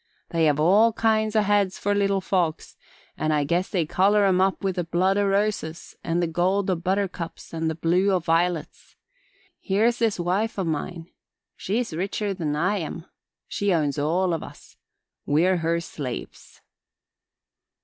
"They have all kinds o' heads for little folks, an' I guess they color 'em up with the blood o' roses an' the gold o' buttercups an' the blue o' violets. Here's this wife o' mine. She's richer'n I am. She owns all of us. We're her slaves."